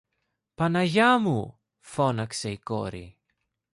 Παναγιά μου! φώναξε η κόρη.